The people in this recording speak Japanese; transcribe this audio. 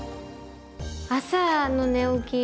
朝の寝起き